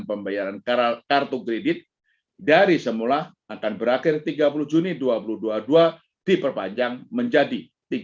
pembayaran kartu kredit dari semula akan berakhir tiga puluh juni dua ribu dua puluh dua diperpanjang menjadi